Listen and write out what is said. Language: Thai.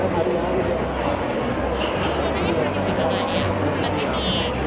ขอบคุณภาษาให้ด้วยเนี่ย